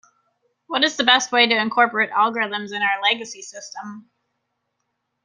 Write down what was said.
What is the best way to incorporate algorithms in our legacy system?